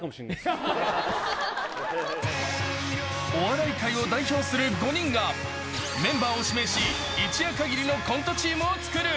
［お笑い界を代表する５人がメンバーを指名し一夜かぎりのコントチームをつくる］